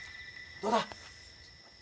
どうだ？